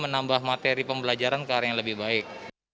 menambah materi pembelajaran ke arah yang lebih baik